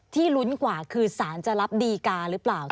ลุ้นกว่าคือสารจะรับดีการหรือเปล่า